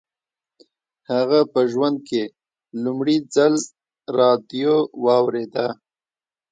هغه په ژوند کې لومړي ځل راډیو واورېده